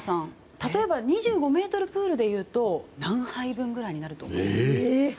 例えば、２５ｍプールでいうと何杯分ぐらいになると思います？